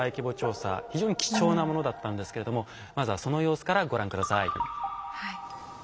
非常に貴重なものだったんですけれどもまずはその様子からご覧下さい。